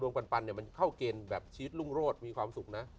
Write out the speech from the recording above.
ปันเนี่ยมันเข้าเกณฑ์แบบชีวิตรุ่งโรศมีความสุขนะ